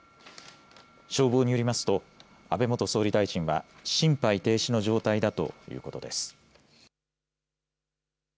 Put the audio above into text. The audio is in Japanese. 消防によりますと安倍元総理大臣は心肺停止の状態だということです。